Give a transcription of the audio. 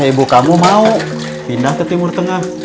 ibu kamu mau pindah ke timur tengah